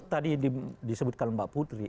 tadi disebutkan mbak putri